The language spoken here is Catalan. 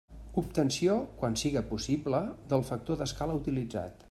Obtenció, quan siga possible, del factor d'escala utilitzat.